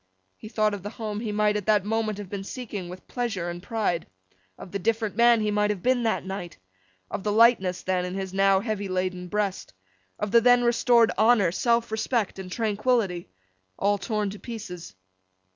He thought of the home he might at that moment have been seeking with pleasure and pride; of the different man he might have been that night; of the lightness then in his now heavy laden breast; of the then restored honour, self respect, and tranquillity all torn to pieces.